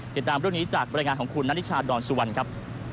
ติดตามรถยนต์นี้จากบริษัทของคุณนาฬิชาดอนสุวรรณครับ